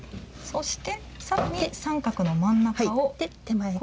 そして、さらに三角の真ん中を。